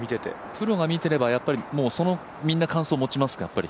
プロが見てればみんなその感想を持ちますかやっぱり。